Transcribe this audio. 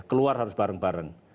keluar harus bareng bareng